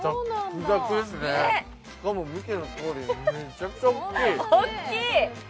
ザックザクですね、しかも見てのとおりめちゃくちゃ大きい。